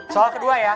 soal kedua ya